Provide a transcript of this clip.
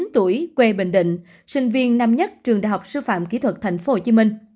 một mươi chín tuổi quê bình định sinh viên nam nhất trường đại học sư phạm kỹ thuật tp hcm